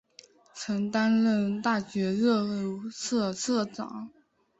曾担任大学热舞社社长。